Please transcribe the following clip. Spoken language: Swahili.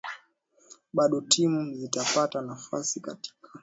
bado timu zitapata nafasi katika